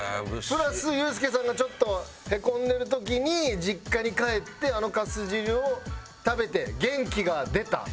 プラスユースケさんがちょっとへこんでる時に実家に帰ってあの粕汁を食べて元気が出た。